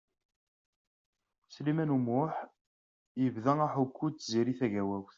Sliman U Muḥ yebda aḥukku d Tiziri Tagawawt.